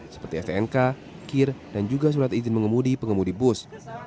seperti stnk kir dan juga surat izin mengemudi pengemudi bus